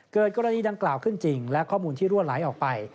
กรณีดังกล่าวขึ้นจริงและข้อมูลที่รั่วไหลออกไป